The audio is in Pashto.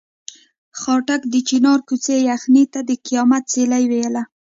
خاټک د چنار کوڅې یخنۍ ته د قیامت سیلۍ ویله.